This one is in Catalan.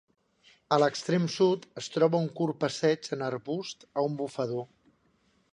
A l'extrem sud es troba un curt passeig en arbust a un bufador.